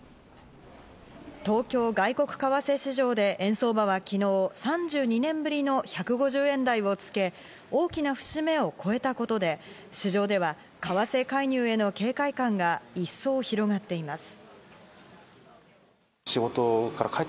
東京外国為替市場で円相場は昨日、３２年ぶりの１５０円台をつけ、大きな節目を超えたことで、市場では為替介入への警戒感が一層、広がっています。